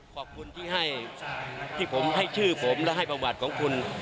ขอบคุณที่ให้ผมให้ชื่อผมและให้ประวัติของคุณ